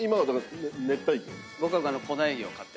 僕は。